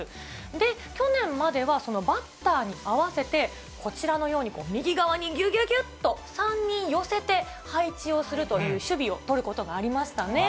で、去年まではそのバッターに合わせて、こちらのように、右側にぎゅぎゅぎゅっと３人寄せて、配置をするという守備を取ることがありましたね。